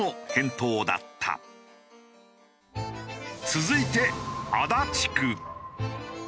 続いて足立区。